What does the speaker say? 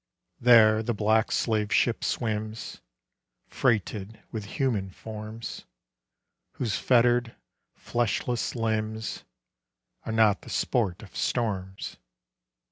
There the black Slave ship swims, Freighted with human forms, Whose fettered, fleshless limbs Are not the sport of storms.